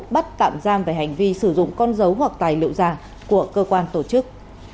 bắt tạm giam về hành vi sử dụng con dấu hoặc tài liệu giả của cơ quan tổ chức